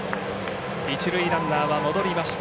一塁ランナーは戻りました。